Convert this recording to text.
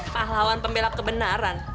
pahlawan pembela kebenaran